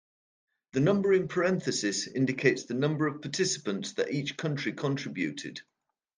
The number in parentheses indicates the number of participants that each country contributed.